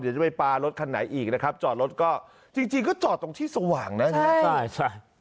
เดี๋ยวจะไปปลารถคันไหนอีกนะครับจอดรถก็จริงก็จอดตรงที่สว่างนะใช่ไหม